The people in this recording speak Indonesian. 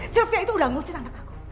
sylvia itu udah ngusir anak aku